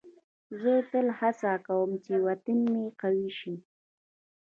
زه تل هڅه کوم وطن مې قوي شي.